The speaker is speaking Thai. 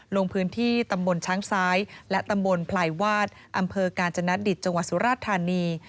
ลงพื้นที่ตำบลช้างซ้ายและตำบลพลายวาดอำเภอกาญจนดิตจังหวัดสุราชธานี